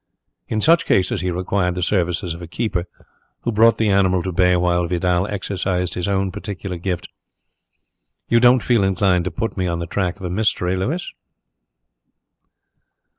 "In such cases he required the services of a keeper, who brought the animal to bay while Vidal exercised his own particular gifts ... You don't feel inclined to put me on the track of a mystery, Louis?"